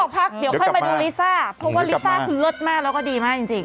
เพราะว่ารฤทธิ์ซ่าคือเหรอดมากแล้วก็ดีมากจริง